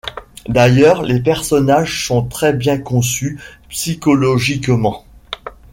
D’ailleurs, les personnages sont très bien conçus psychologiquement.